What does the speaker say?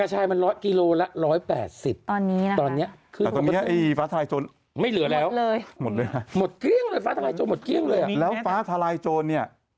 แต่ตอนนี้ราคาแพง